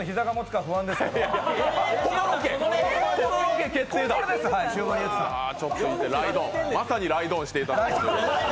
はー、まさにライドオンしていただく。